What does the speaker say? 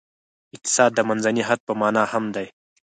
اقتصاد د منځني حد په معنا هم دی.